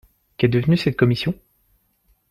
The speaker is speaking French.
Qu'est devenu cette commission ?